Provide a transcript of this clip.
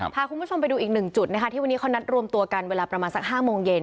พาคุณผู้ชมไปดูอีกหนึ่งจุดนะคะที่วันนี้เขานัดรวมตัวกันเวลาประมาณสัก๕โมงเย็น